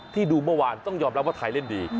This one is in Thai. ดูเมื่อวานต้องยอมรับว่าไทยเล่นดี